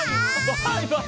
バイバイ。